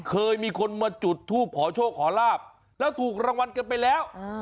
เคยมีคนมาจุดทูปขอโชคขอลาบแล้วถูกรางวัลกันไปแล้ว